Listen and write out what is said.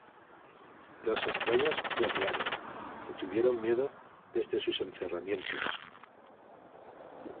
Los extraños flaquearon, Y tuvieron miedo desde sus encerramientos.